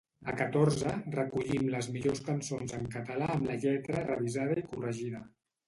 A Catorze recollim les millors cançons en català amb la lletra revisada i corregida